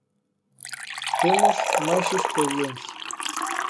Temos máis experiencia.